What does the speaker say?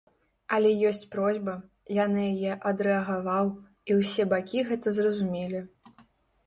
Але ёсць просьба, я на яе адрэагаваў, і ўсе бакі гэта зразумелі.